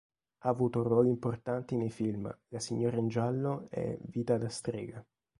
Ha avuto ruoli importanti nei film "La signora in giallo" e "Vita da strega".